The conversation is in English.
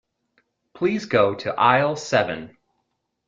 Please go to aisle seven.